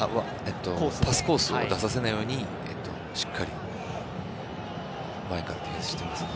パスコースに出させないようにしっかり前からディフェンスしてますね。